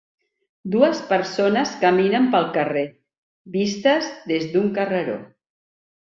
Dues persones caminen pel carrer, vistes des d'un carreró.